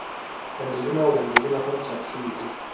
لنډیزونه او وړاندیزونه هم چاپ شوي دي.